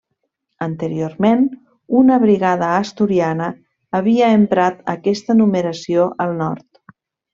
Anteriorment una brigada asturiana havia emprat aquesta numeració al nord.